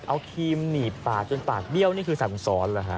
เอาครีมหนีบปากจนปากเบี้ยวนี่คือสั่งซ้อนเหรอฮะ